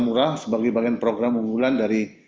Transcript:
murah sebagai bagian program unggulan dari